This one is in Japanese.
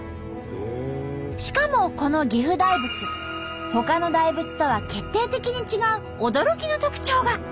しかもこの岐阜大仏ほかの大仏とは決定的に違う驚きの特徴が！